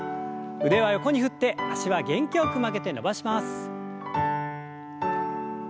腕は横に振って脚は元気よく曲げて伸ばします。